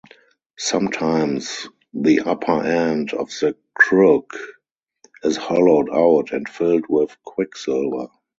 Sometimes the upper end of the crook is hollowed out and filled with quicksilver.